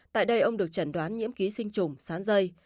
tại đây ông được chẩn đoán nhiễm ký sinh trùng sán dây